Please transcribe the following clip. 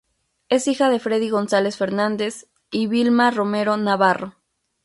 Es hija de Freddy González Fernández y Vilma Romero Navarro.